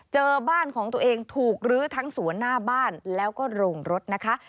เจอบ้านของตัวเองถูกลื้อทั้งสวนหน้าบ้านแล้วก็โรงรถนะคะ